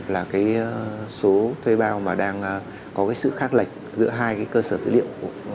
là cái số thuê bao mà đang có sự khác lệch giữa hai cơ sở dữ liệu